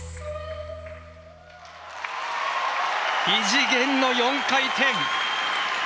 異次元の４回転！